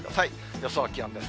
予想気温です。